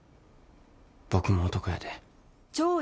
僕も男やで。